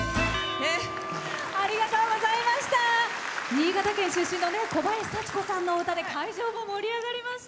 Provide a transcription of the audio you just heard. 新潟県出身の小林幸子さんの歌で会場も盛り上がりました。